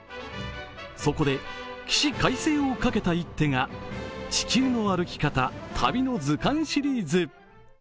そこで起死回生をかけた一手が「地球の歩き方旅の図鑑シリーズ」。